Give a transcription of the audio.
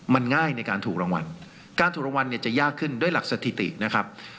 มันง่ายในการถูกรางวัลการถูกรางวัลเนี่ยจะยากขึ้นด้วยหลักสถิตินะครับ